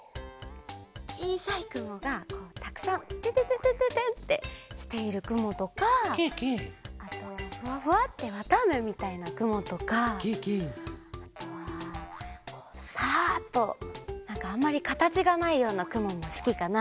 ちいさいくもがこうたくさんてんてんてんてんってしているくもとかあとフワフワッてわたあめみたいなくもとかあとはこうサッとなんかあんまりかたちがないようなくももすきかな。